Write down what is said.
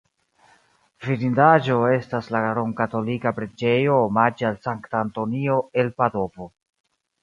Vidindaĵo estas la romkatolika preĝejo omaĝe al Sankta Antonio el Padovo.